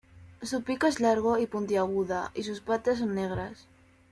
Su pico es largo y puntiaguda y sus patas son negras.